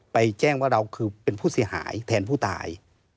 แจ้งว่าเราคือเป็นผู้เสียหายแทนผู้ตาย